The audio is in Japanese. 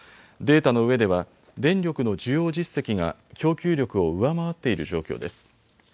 データの上では電力の需要実績が供給力を上回っている状況です。